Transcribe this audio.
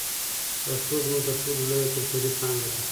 پښتو زموږ تر ټولو لویه کلتوري پانګه ده.